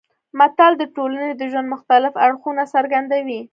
متل د ټولنې د ژوند مختلف اړخونه څرګندوي